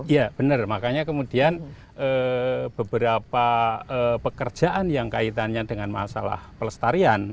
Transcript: iya benar makanya kemudian beberapa pekerjaan yang kaitannya dengan masalah pelestarian